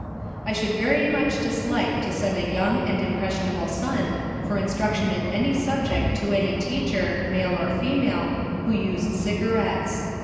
I should very much dislike to send a young and impressionable son for instruction in any subject to any teacher, male or female, who used cigarettes.